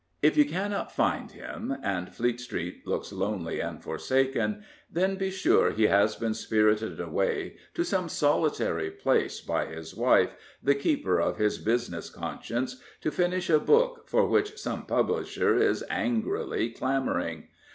If you cannot find him, and Fleet Street looks lonely and forsaken, then be sure he has been spirited away to some solitary place by his wife, the keeper of his business conscience, to finish a book for which some publisher is angrily clamouring.